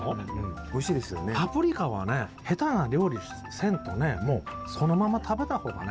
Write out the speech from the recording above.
パプリカはね下手な料理せんとねそのまま食べた方がね